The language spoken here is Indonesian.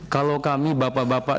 kalau kami bapak bapak